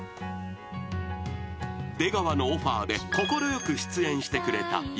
［出川のオファーで快く出演してくれたユーミン］